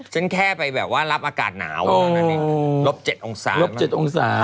ฉันแค่ไปแบบว่ารับอากาศหนาวโอ้โหลบเจ็ดองศาสตร์ลบเจ็ดองศาสตร์